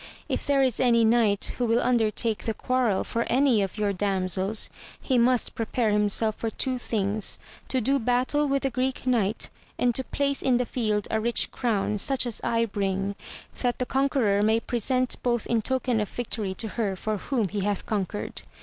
If there is any knight who will undertake the quarrel for any of your damsels, he 30 AMADIS OF GAUL. must prepare himself for two things, to do battle with the Greek Knight, and to place in the field a rich crown, such as I bring, that the conqueror may pre sent both in token of victory to her for whom he hath conquered.